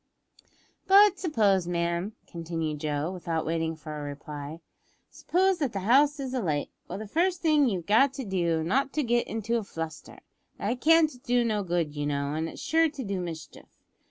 "But suppose, ma'am," continued Joe, without waiting for a reply; "suppose that the house is alight. Well, the first thing you've got to do, is not to get into a fluster. That can't do no good, you know, and is sure to do mischief.